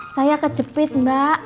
saya kejepit mbak